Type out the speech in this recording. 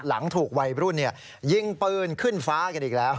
หลังถูกวัยรุ่นยิงปืนขึ้นฟ้ากันอีกแล้ว